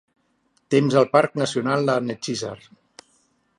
Temps al parc nacional de Nechisar.